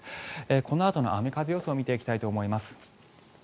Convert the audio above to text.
このあとの雨風予想を見ていきたいと思います。